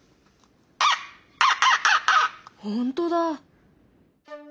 ほんとだ。